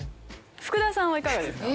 福田さんはいかがですか？